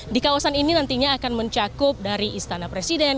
di kawasan ini nantinya akan mencakup dari istana presiden